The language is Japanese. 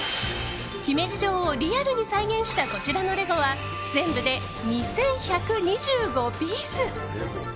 姫路城をリアルに再現したこちらのレゴは全部で２１２５ピース。